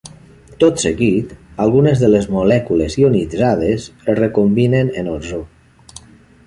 Tot seguit, algunes de les molècules ionitzades es recombinen en ozó.